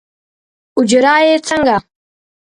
اوجره یې څنګه؟